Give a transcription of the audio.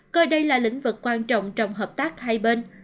coi đây là lĩnh vực quan trọng trong hợp tác hai bên